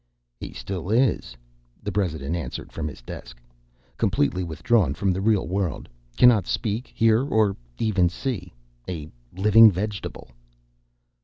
"He still is," the president answered from his desk. "Completely withdrawn from the real world. Cannot speak, hear, or even see—a living vegetable."